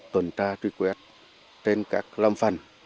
tuần tra truy quét trên các lâm phần